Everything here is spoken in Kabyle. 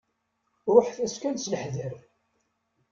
Ruḥet-as kan s leḥder.